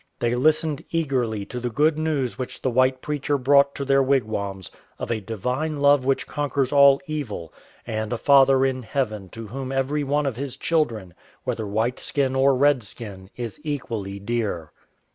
They listened eagerly to the good news which the white preacher brought to their wigwams of a divine love which conquers all evil, and a Father in heaven to whom every one of His children, whether whiteskin or redskin, is equally dear.